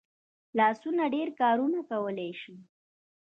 لاسونه ډېر کارونه کولی شي